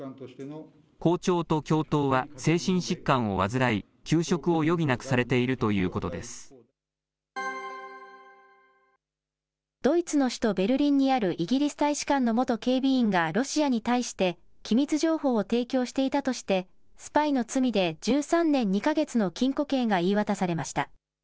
校長と教頭は精神疾患を患い、休職を余儀なくされているというこドイツの首都ベルリンにあるイギリス大使館の元警備員がロシアに対して、機密情報を提供していたとして、スパイの罪で１３年２か月の禁錮刑が言い渡されました。